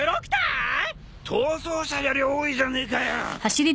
逃走者より多いじゃねえかよ。